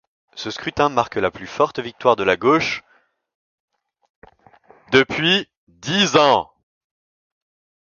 Ce scrutin marque la plus forte victoire de la gauche depuis dix ans.